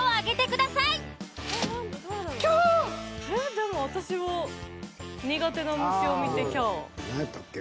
でも私は「苦手な虫を見てきゃー何やったっけ？